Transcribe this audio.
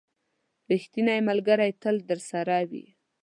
• ریښتینی ملګری تل درسره وي.